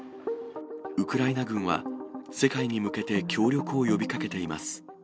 ウクライナ軍は世界に向けて協力を呼びかけています。